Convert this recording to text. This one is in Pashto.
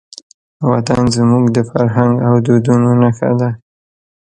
وطن زموږ د فرهنګ او دودونو نښه ده.